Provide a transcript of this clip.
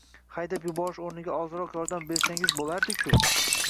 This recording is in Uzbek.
Haydab yuborish o`rniga ozroq yordam bersangiz bo`lardi-ku